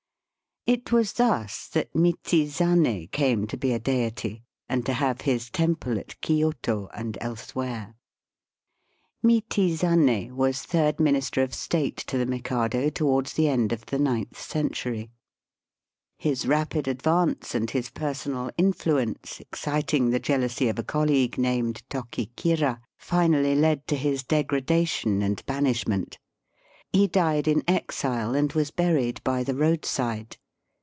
It was thus that Michizane came to be a deity, and to have his temple at Kioto and elsewhere. Michizane was third Minister of State to the Mikado towards the end of the ninth century. Digitized by VjOOQIC 74 EiiST BY WEST. His rapid advance and his personal influence exciting the jealousy of a colleague named TokiMra, finally led to his degradation and banishment. He died in exile and was buried by the roadside.